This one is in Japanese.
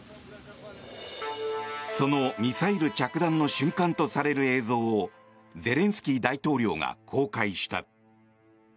そのミサイル着弾の瞬間とされる映像をゼレンスキー大統領が公開した。